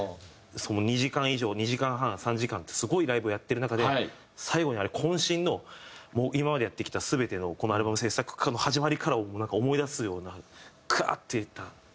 ２時間以上２時間半３時間ってすごいライブをやってる中で最後にあれ渾身の今までやってきた全てのこのアルバム制作の始まりからを思い出すようなグワーっていった。